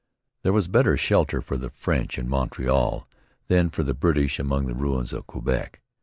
There was better shelter for the French in Montreal than for the British among the ruins of Quebec.